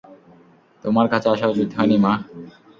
তোমার কাছে আসা উচিত হয়নি, মা।